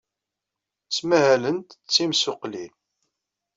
Ttmahalent d timsuqqlin.